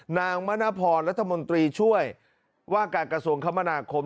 นางมณพรรัฐมนตรีช่วยว่าการกระทรวงคมนาคม